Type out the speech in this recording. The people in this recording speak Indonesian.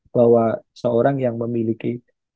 bahwa seorang yang memiliki